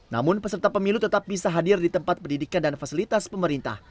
namun peserta pemilu tetap bisa hadir di tempat pendidikan dan fasilitas pemerintah